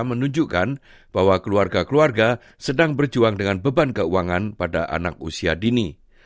menunjukkan bahwa keluarga keluarga sedang berjuang dengan beban keuangan pada anak usia dini